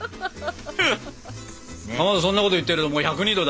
かまどそんなこと言ってるともう１０２℃だよ。